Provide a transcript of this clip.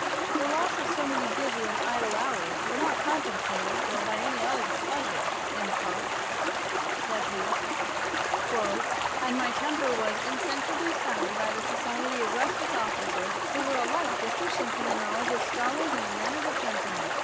"The loss of so many busy and idle hours were not compensated for by any elegant pleasure," says he; "and my temper was insensibly soured by the society of rustic officers, who were alike deficient in the knowledge of scholars and the manners of gentlemen."